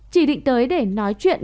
chỉ định tới để nói chuyện